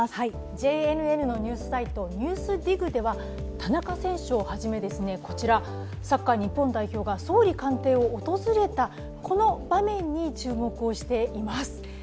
ＪＮＮのニュースサイト、「ＮＥＷＳＤＩＧ」では田中選手をはじめこちら、サッカー日本代表が総理官邸を訪れたこの場面に注目をしています。